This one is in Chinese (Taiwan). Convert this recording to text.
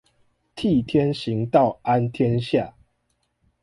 替天行道安天下